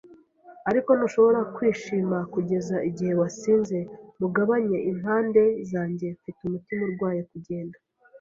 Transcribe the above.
Ariko ntushobora kwishima kugeza igihe wasinze. Mugabanye impande zanjye, Mfite umutima urwaye kugenda